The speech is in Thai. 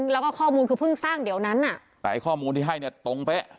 แล้วก็ข้อมูลคือเพิ่งสร้างเดี๋ยวนั้นอ่ะแต่ไอ้ข้อมูลที่ให้เนี่ยตรงเป๊ะ